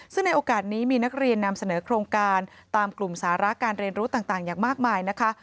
ซึ่งในโอกาสนี้มีนักเรียนนำเสนอโครงการตามกลุ่มสาระการเรียนรู้ต่างอย่างมากมายนะคะ